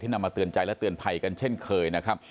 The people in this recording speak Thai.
นำมาเตือนใจและเตือนภัยกันเช่นเคยนะครับ